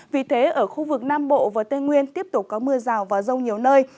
vì thế ở khu vực nam bộ và tây nguyên tiếp tục có mưa rào và rông nhiều nơi